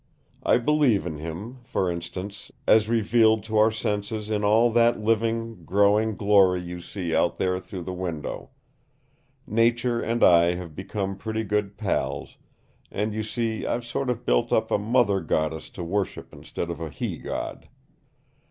"I believe in Him, for instance, as revealed to our senses in all that living, growing glory you see out there through the window Nature and I have become pretty good pals, and you see I've sort of built up a mother goddess to worship instead of a he god.